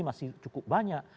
masih cukup banyak